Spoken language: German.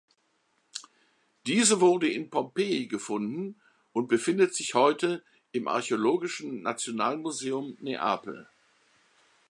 Diese wurde in Pompeji gefunden und befindet sich heute im Archäologischen Nationalmuseum Neapel.